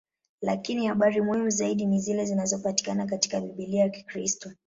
Lakini habari muhimu zaidi ni zile zinazopatikana katika Biblia ya Kikristo.